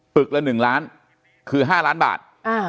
ึกละ๑ล้านคือ๕ล้านบาท